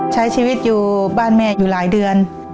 ใช้ชีวิตอยู่บ้านแม่อยู่หลายเดือน